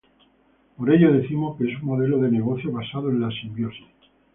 Por ello decimos que es un modelo de negocio basado en la simbiosis.